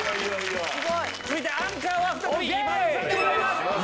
続いてアンカーは再び今田さんでございます。